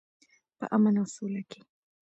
په امن او سوله کې.